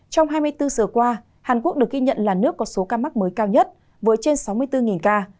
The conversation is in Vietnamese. trong hai mươi bốn giờ qua hàn quốc được ghi nhận là nước có số ca mắc mới cao nhất với trên sáu mươi bốn ca